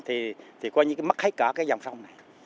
thì coi như cái mất hết cả cái dòng sông này